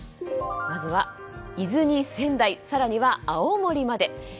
まずは、伊豆に仙台更には青森まで。